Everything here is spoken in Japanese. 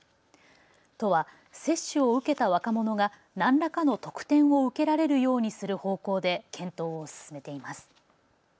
都は接種を受けた若者が何らかの特典を受けられるようにする方向で検討を進めています。